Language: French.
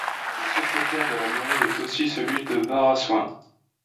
Le secrétaire de mairie est aussi celui de Barásoain.